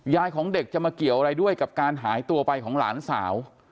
ของเด็กจะมาเกี่ยวอะไรด้วยกับการหายตัวไปของหลานสาว